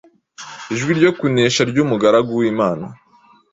Ijwi ryo kunesha ry’umugaragu w’Imana